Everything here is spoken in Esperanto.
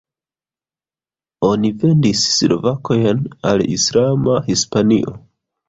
Oni vendis sklavojn al islama Hispanio.